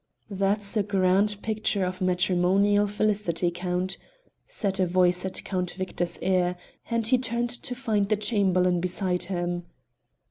"That's a grand picture of matrimonial felicity, Count," said a voice at Count Victor's ear, and he turned to find the Chamberlain beside him.